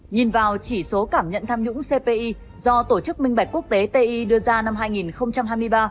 nhìn vào chỉ số cảm nhận tham nhũng cpi do tổ chức minh bạch quốc tế ti đưa ra năm hai nghìn hai mươi ba